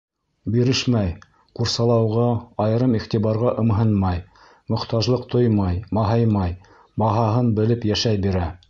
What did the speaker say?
Бирешмәй, ҡурсалауға, айырым иғтибарға ымһынмай, мохтажлыҡ тоймай, маһаймай, баһаһын белеп йәшәй бирә.